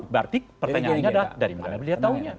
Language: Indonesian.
berarti pertanyaannya adalah dari mana beliau tahunya